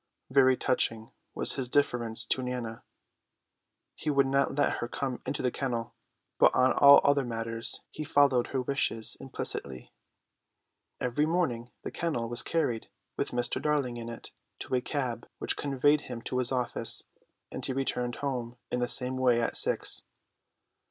Very touching was his deference to Nana. He would not let her come into the kennel, but on all other matters he followed her wishes implicitly. Every morning the kennel was carried with Mr. Darling in it to a cab, which conveyed him to his office, and he returned home in the same way at six.